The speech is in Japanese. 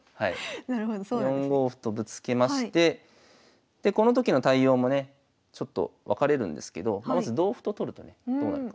４五歩とぶつけましてでこの時の対応もねちょっと分かれるんですけどまず同歩と取るとねどうなるか。